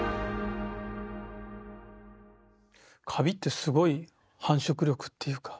カビってすごい繁殖力っていうか。